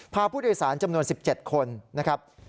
พาผู้โดยสารจำนวน๑๗คนนะครับ